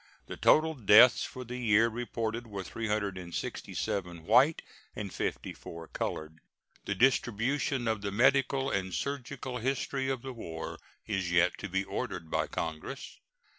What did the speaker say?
The total deaths for the year reported were 367 white and 54 colored. The distribution of the Medical and Surgical History of the War is yet to be ordered by Congress.